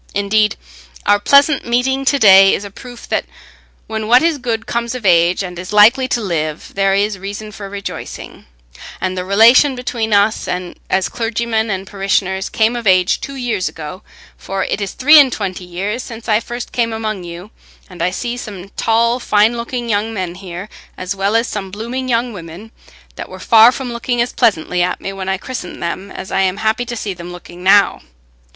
Indeed, our pleasant meeting to day is a proof that when what is good comes of age and is likely to live, there is reason for rejoicing, and the relation between us as clergyman and parishioners came of age two years ago, for it is three and twenty years since I first came among you, and I see some tall fine looking young men here, as well as some blooming young women, that were far from looking as pleasantly at me when I christened them as I am happy to see them looking now.